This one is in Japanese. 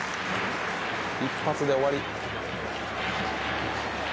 一発で終わり。